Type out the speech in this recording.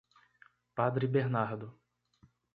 Padre Bernardo